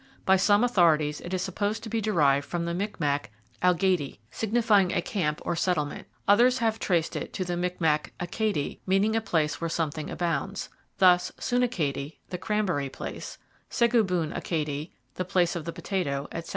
By some authorities it is supposed to be derived from the Micmac algaty, signifying a camp or settlement. Others have traced it to the Micmac akade, meaning a place where something abounds. Thus, Sunakade (Shunacadie, C. B.), the cranberry place; Seguboon akade (Shubenacadie), the place of the potato, etc.